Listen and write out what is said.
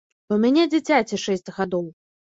У мяне дзіцяці шэсць гадоў.